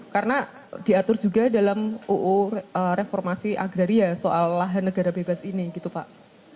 karena diatur juga dalam uu reformasi agraria soal lahan negara bebas ini gitu pak